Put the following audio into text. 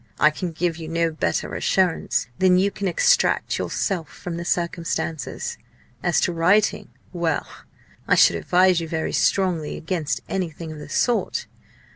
I can give you no better assurance than you can extract yourself from the circumstances. As to writing well! I should advise you very strongly against anything of the sort.